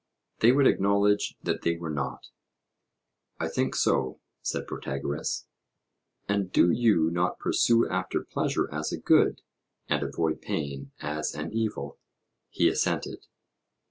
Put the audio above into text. they would acknowledge that they were not? I think so, said Protagoras. 'And do you not pursue after pleasure as a good, and avoid pain as an evil?' He assented.